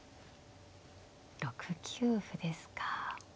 ６九歩ですか。